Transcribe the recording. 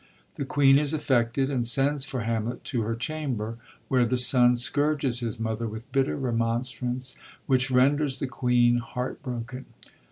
The queen is affected and sends for Hamlet to her chamber, where the son scourges his mother with bitter remonstrance, which ren ders the queen heart broken.